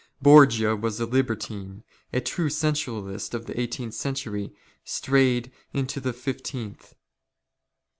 " Borgia was a libertine, a true sensualist of the eighteenth " century strayed into the fifteenth.